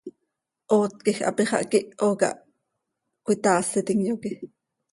Oot quij hapi xah quiho cah cöitaasitim, yoque.